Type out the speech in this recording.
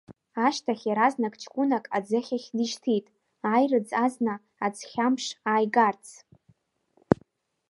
Ашьҭахь, иаразнак ҷкәынак аӡыхьахь дишьҭит, аирыӡ азна аӡхьамԥш ааигарц.